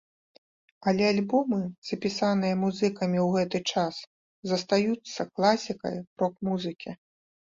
Але альбомы, запісаныя музыкамі ў гэты час, застаюцца класікай рок-музыкі.